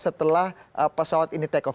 setelah pesawat ini take off